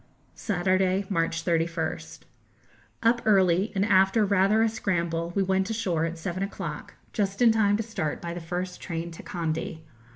Saturday, March 31st. Up early, and after rather a scramble we went ashore at seven o'clock, just in time to start by the first train to Kandy.